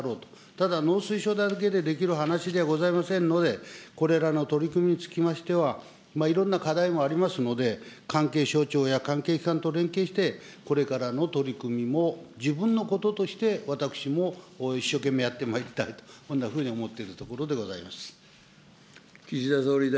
ただ、農水省だけでできる話ではございませんので、これらの取り組みにつきましては、いろんな課題もありますので、関係省庁や関係機関と連携して、これからの取り組みも自分のこととして、私も一生懸命やってまいりたいと、こんなふうに思っているところでございます。